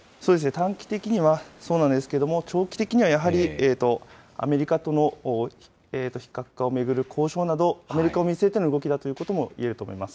短期的にはそうなんですけれども、長期的にはやはり、アメリカとの非核化を巡る交渉など、アメリカを見据えての動きだということも言えると思います。